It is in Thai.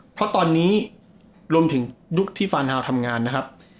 เพราะตอนนี้รวมถึงยุคที่ฟานฮาวทำงานนะครับ